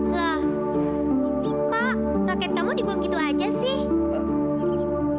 lah kok roket kamu dibuang gitu aja sih